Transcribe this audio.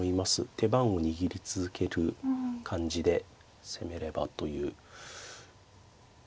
手番を握り続ける感じで攻めればという。